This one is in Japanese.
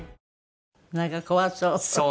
なんか怖そう。